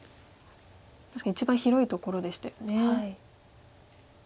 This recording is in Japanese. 確かに一番広いところでしたよね。